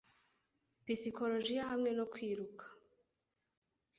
psychologiya hamwe no kwiruka.